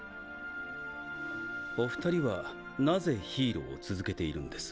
お２人はなぜヒーローを続けているんです？